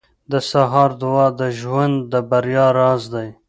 • د سهار دعا د ژوند د بریا راز دی.